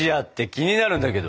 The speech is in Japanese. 気になるんだけど。